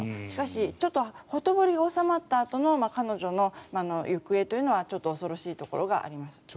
しかしほとぼりが収まったあとの彼女の行方というのは恐ろしいところがあります。